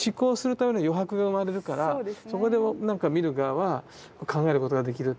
そこでなんか見る側は考えることができるって。